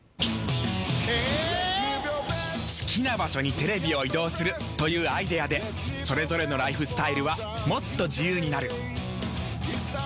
好きな場所にテレビを移動するというアイデアでそれぞれのライフスタイルはもっと自由になる。